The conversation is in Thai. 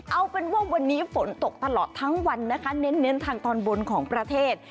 เอาเป็นว่าวันนี้ฝนตกตลอดทั้งวันนะคะเน้นทางตอนบนของประเทศ